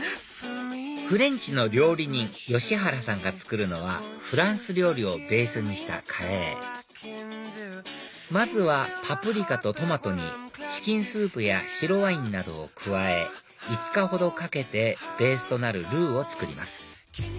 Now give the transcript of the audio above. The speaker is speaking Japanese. フレンチの料理人吉原さんが作るのはフランス料理をベースにしたカレーまずはパプリカとトマトにチキンスープや白ワインなどを加え５日ほどかけてベースとなるルーを作ります